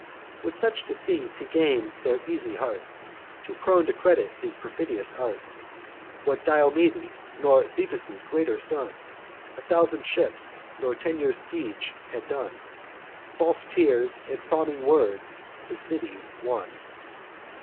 "With such deceits he gain'd their easy hearts, Too prone to credit his perfidious arts. What Diomede, nor Thetis' greater son, A thousand ships, nor ten years' siege, had done: False tears and fawning words the city won.